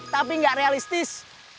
tapi enggak realistis